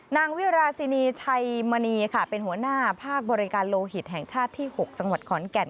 นางวิราชินีชัยมณีค่ะเป็นหัวหน้าภาคบริการโลหิตแห่งชาติที่๖จังหวัดขอนแก่น